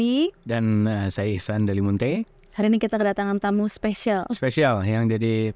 ini suka menanti nanti